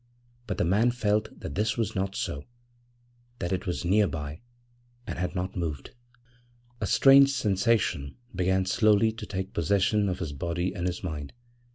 But the man felt that this was not so that it was near by and had not moved. < 4 > A strange sensation began slowly to take possession of his body and his mind.